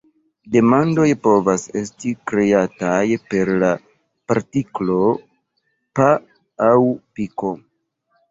Demandoj povas esti kreataj per la partiklo -"pa" aŭ "piko".